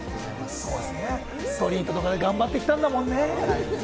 ストリートとかで頑張ってきたんだもんね。